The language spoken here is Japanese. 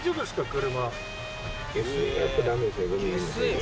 車。